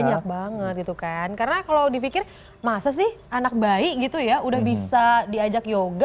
banyak banget gitu kan karena kalau dipikir masa sih anak bayi gitu ya udah bisa diajak yoga